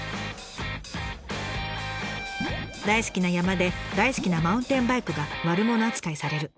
大好きな山で大好きなマウンテンバイクが悪者扱いされる。